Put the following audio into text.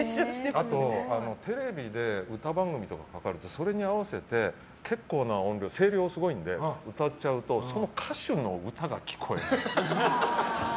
テレビで歌番組とかかかるとそれに合わせて、結構な声量で歌っちゃうとその歌手の歌が聞こえない。